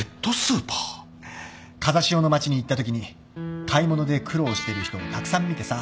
風汐の町に行ったときに買い物で苦労してる人をたくさん見てさ